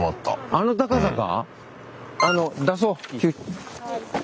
あの高さか。